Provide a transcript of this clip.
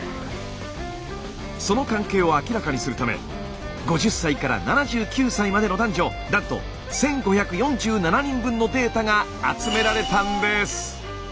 その関係を明らかにするため５０歳から７９歳までの男女なんと１，５４７人分のデータが集められたんです。